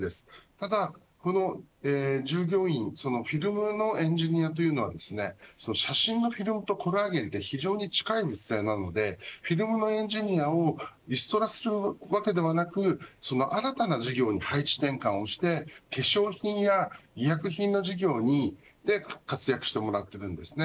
ただ、従業員フィルムのエンジニアというのはですね写真のフィルムとコラーゲンって非常に近い素材なのでフィルムのエンジニアをリストラするわけではなくその新たな事業に配置転換をして化粧品や医薬品の事業に活躍してもらっているんですね。